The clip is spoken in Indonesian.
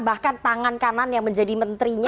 bahkan tangan kanan yang menjadi menterinya